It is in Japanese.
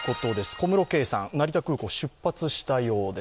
小室圭さん、成田空港を出発したようです。